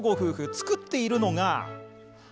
作っているのが。